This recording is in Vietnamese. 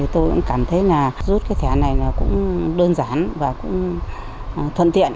tôi cũng cảm thấy rút cái thẻ này cũng đơn giản và cũng thuận tiện